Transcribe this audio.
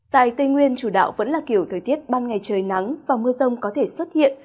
tại tây nguyên chủ đạo vẫn là kiểu thời tiết ban ngày trời nắng và mưa rông có thể xuất hiện